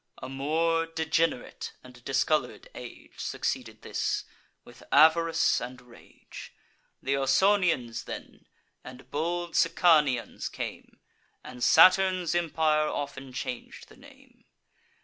A more degenerate and discolour'd age Succeeded this, with avarice and rage. Th' Ausonians then, and bold Sicanians came; And Saturn's empire often chang'd the name.